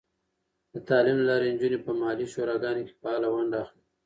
د تعلیم له لارې، نجونې په محلي شوراګانو کې فعاله ونډه اخلي.